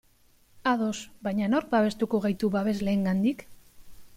Ados, baina nork babestuko gaitu babesleengandik?